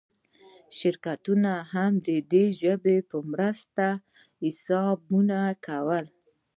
شرکتونه هم د دې ژبې په مرسته حسابونه کول.